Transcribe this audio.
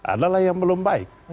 adalah yang belum baik